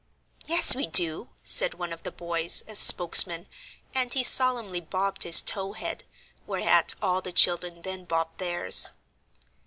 "Yes, we do," said one of the boys, as spokesman, and he solemnly bobbed his tow head, whereat all the children then bobbed theirs.